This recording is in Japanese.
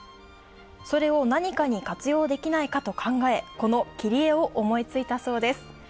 それを何かに活用できないかと考え、この木り絵を思いついたそうです。